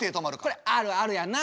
これあるあるやな。